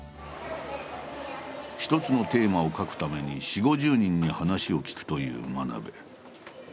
１つのテーマを描くために４０５０人に話を聞くという真鍋。